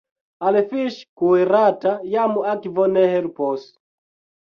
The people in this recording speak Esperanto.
Al fiŝ' kuirita jam akvo ne helpos.